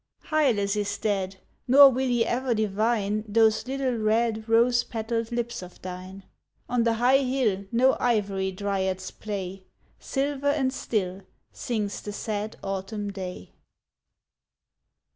Hylas is dead, Nor will he e'er divine Those little red Rose petalled lips of thine. On the high hill No ivory dryads play, Silver and still Sinks the sad autumn day.